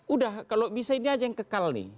udah kalau bisa ini aja yang kekal nih